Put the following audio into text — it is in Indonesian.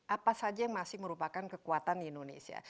apa saja yang masih merupakan kekuatan indonesia